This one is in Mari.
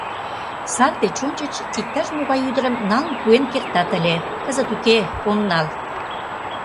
Сар деч ончыч иктаж-могай ӱдырым налын пуэн кертат ыле, кызыт — уке, ом нал.